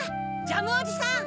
ジャムおじさん。